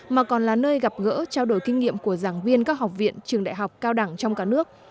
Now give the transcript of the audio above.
mà còn là nơi gặp gỡ trao đổi kinh nghiệm của giảng viên các học viện trường đại học cao đẳng trong cả nước